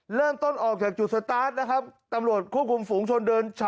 ออกจากจุดสตาร์ทนะครับตำรวจควบคุมฝูงชนเดิน